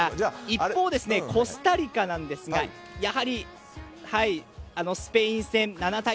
一方、コスタリカなんですがやはりスペイン戦７対０